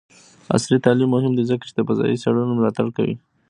عصري تعلیم مهم دی ځکه چې د فضايي څیړنو ملاتړ کوي.